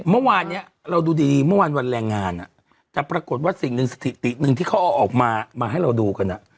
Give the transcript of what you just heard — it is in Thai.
เมื่อวานนี้เราดูดีมันวันแรงงานจะปรากฏว่าสิ่งหนึ่งสถิติที่เขาเอาออกมาให้เราดูกัน